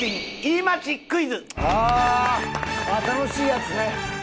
楽しいやつね。